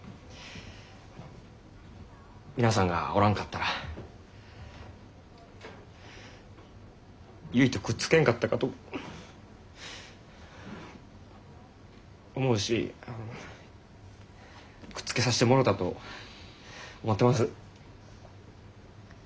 皆さんがおらんかったら結とくっつけれんかったかと思うしくっつけさしてもろたと思ってます。